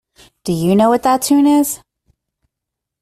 Do you know what that tune is?